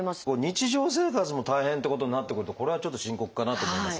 日常生活も大変っていうことになってくるとこれはちょっと深刻かなと思いますが。